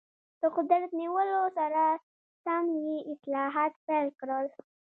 د قدرت نیولو سره سم یې اصلاحات پیل کړل.